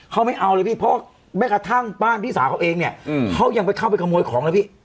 เขาไม่เอาเลยพี่เพราะแม้กระทั่งบ้านพี่สาวเขาเองเนี่ยเขายังไปเข้าไปขโมยของเลยพี่